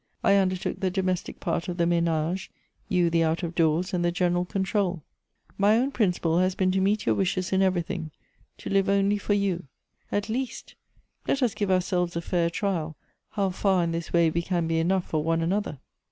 I undertook the domestic part of the menage, you the out of doors, and the general con trol. My own principle has been to meet your wishes in everything, to live only for you. At least, let us give ourselves a fair trial how far in this way we can be enough for one another."